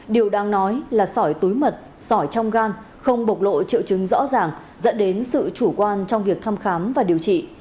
điều đang nói là sỏi túi mật sỏi trong gan không bộc lộ triệu chứng rõ ràng dẫn đến sự chủ quan trong việc thăm khám và điều trị